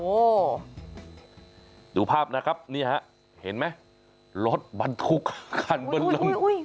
โอ้โหดูภาพนะครับเนี่ยฮะเห็นไหมรถบรรทุกคันบนลมอุ้ยอุ้ยอุ้ย